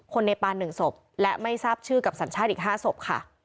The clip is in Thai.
เนปาน๑ศพและไม่ทราบชื่อกับสัญชาติอีก๕ศพค่ะ